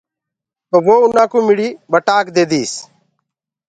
تو وو اُنآ ڪوُ مڙهيٚ ٻٽآڪ ديديس۔